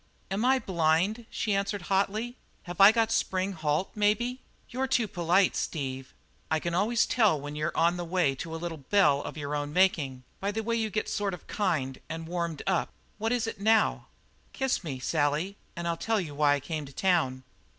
"Am I blind?" she answered hotly. "Have I got spring halt, maybe? You're too polite, Steve; I can always tell when you're on the way to a little bell of your own making, by the way you get sort of kind and warmed up. What is it now?" "Kiss me, Sally, and I'll tell you why I came to town."